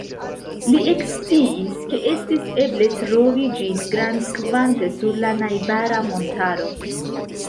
Li eksciis ke estis eble trovi ĝin grandkvante sur la najbara montaro.